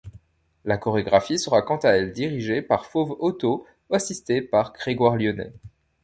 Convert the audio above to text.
La chorégraphie sera quant à elle dirigée par Fauve Hautot, assistée par Grégoire Lyonnet.